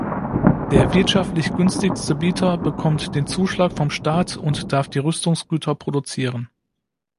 Der wirtschaftlich günstigste Bieter bekommt den Zuschlag vom Staat und darf die Rüstungsgüter produzieren.